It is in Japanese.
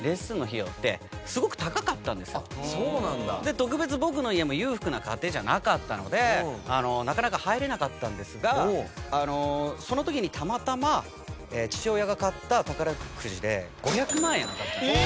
特別僕の家も裕福な家庭じゃなかったのでなかなか入れなかったんですがその時にたまたま父親が買った宝くじで５００万円当たったんですよ。